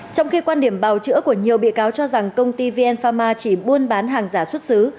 trong khi quan điểm bào chữa của nhiều bị cáo cho rằng công ty vn pharma chỉ buôn bán hàng giả xuất xứ